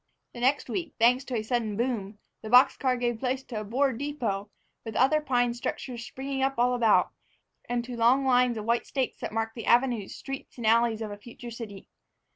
The next week, thanks to a sudden boom, the box car gave place to a board depot, with other pine structures springing up all about, and to long lines of white stakes that marked the avenues, streets, and alleys of a future city.